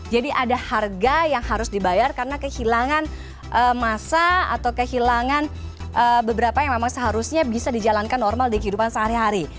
jadi ada harga yang harus dibayar karena kehilangan masa atau kehilangan beberapa yang memang seharusnya bisa dijalankan normal di kehidupan sehari hari